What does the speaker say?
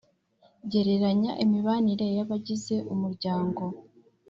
Gereranya imibanire y'abagize umuryango